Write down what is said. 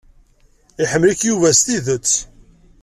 Iḥemmel-ik Yuba s tidet.